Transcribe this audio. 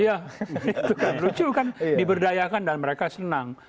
iya itu kan lucu kan diberdayakan dan mereka senang